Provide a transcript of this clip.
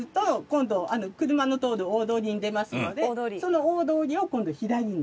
今度車の通る大通りに出ますのでその大通りを今度左に。